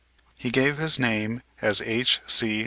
He gave his name, as H.C.